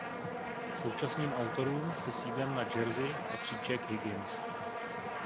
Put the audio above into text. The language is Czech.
K současným autorům se sídlem na Jersey patří Jack Higgins.